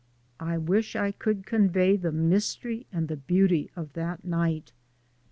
I wish I could convey the mystery and the beauty of that night.